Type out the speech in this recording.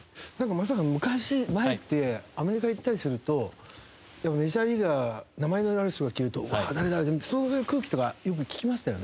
松坂さん昔前ってアメリカ行ったりするとメジャーリーガー名前のある人が来てるとうわ誰々だそういう空気とかよく聞きましたよね。